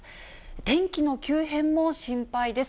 天気の急変も心配です。